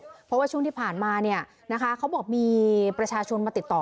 เพราะว่าช่วงที่ผ่านมาเขาบอกมีประชาชนมาติดต่อ